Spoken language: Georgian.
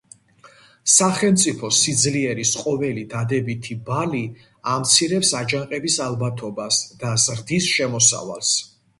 სახელმწიფოს სიძლიერის ყოველი დადებითი ბალი ამცირებს აჯანყების ალბათობას და ზრდის შემოსავალს.